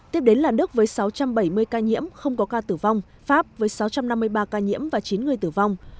tiếp đến là đức với sáu trăm bảy mươi ca nhiễm không có ca tử vong pháp với sáu trăm năm mươi ba ca nhiễm và chín người tử vong